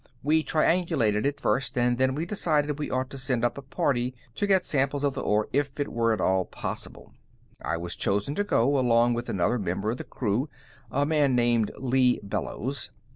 We triangulated it first, and then we decided we ought to send up a party to get samples of the ore if it were at all possible. "I was chosen to go, along with another member of the crew, a man named Lee Bellows.